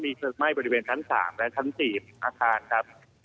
มีเพลิงไหม้บริเวณชั้น๓และชั้น๔อาคารครับ